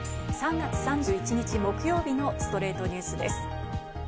３月３１日、木曜日の『ストレイトニュース』です。